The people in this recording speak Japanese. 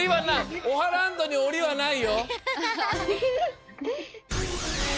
オハランドにおりはないよ！